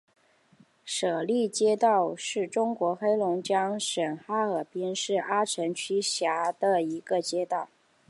舍利街道是中国黑龙江省哈尔滨市阿城区下辖的一个街道。